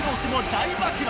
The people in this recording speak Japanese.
大暴露